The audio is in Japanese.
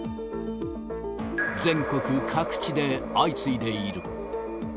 全国各地で相次いでいる。